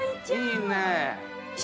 いいね。